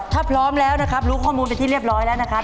ถ้าพร้อมแล้วนะครับรู้ข้อมูลเป็นที่เรียบร้อยแล้วนะครับ